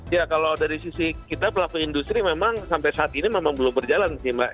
ya kalau dari sisi kita pelaku industri memang sampai saat ini memang belum berjalan sih mbak